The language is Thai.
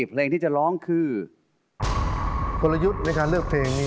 เผื่อยุทค์ในการเลือกเพลงนี้